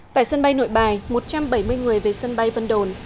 tại sân bay nội bài một trăm bảy mươi người về sân bay vân đồn